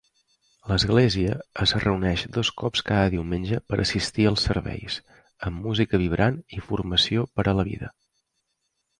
L'església es reuneix dos cops cada diumenge per assistir als serveis, amb música vibrant i formació per a la vida.